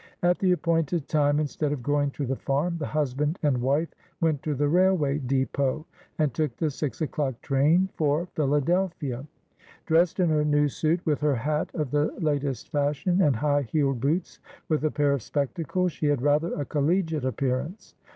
At the appoint ed time, instead of going to the farm, the husband and wife went to the railway depot, and took the six o'clock train for Philadelphia. Dressed in her new suit, with her hat of the latest fashion, and high heeled boots, with a pair of spectacles, she had rather a collegiate appearance.